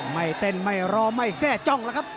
ไม่เต้นไม่รอไม่แทร่จ้องแล้วครับ